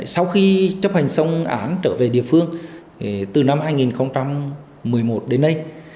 sau khi chấp hành xong án trở về địa phương từ năm hai nghìn một mươi một đến nay